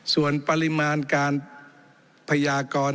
ส่วนปริมาณการพยากร